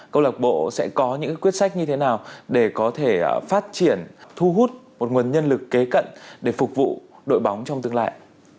câu lạc bộ sẽ có những quyết sách như thế nào để có thể phát triển thu hút một nguồn nhân lực kế cận để phục vụ đội bóng trong tương lai